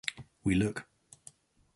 We look.